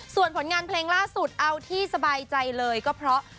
ส่วนผลงานเพลงล่าสุดเอาที่สบายใจเลยก็เพราะ